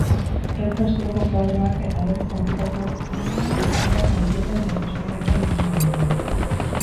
Retro estiloko koadroak eta lorez jantzitako estanpatuak jantzietan nahiz osagarrietan ikusiko ditugu.